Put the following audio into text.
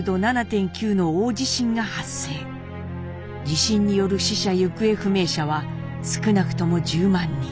地震による死者・行方不明者は少なくとも１０万人。